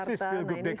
persis pilgub dki